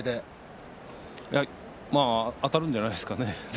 あたるんじゃないですかね。